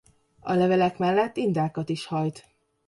A levelek mellett indákat is hajt.